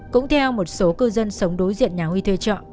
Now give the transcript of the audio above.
cũng theo một số cư dân sống đối diện nhà huy thuê trọ